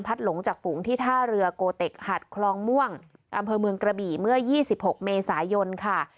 หลงจากฝูงที่ท่าเรือโกเต็กหัดคลองม่วงอำเภอเมืองกระบี่เมื่อ๒๖เมษายนค่ะ